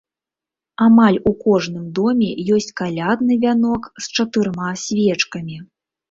Амаль у кожным доме ёсць калядны вянок з чатырма свечкамі.